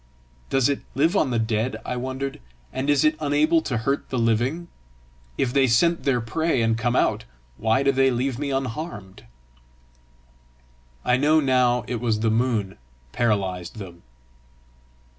"Does it live on the dead," I wondered, "and is it unable to hurt the living? If they scent their prey and come out, why do they leave me unharmed?" I know now it was that the moon paralysed them.